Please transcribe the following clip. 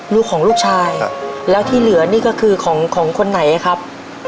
ลูกของลูกชายแล้วที่เหลือนี่ก็คือของของคนไหนครับ